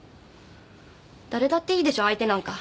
誰だっていいでしょ相手なんか。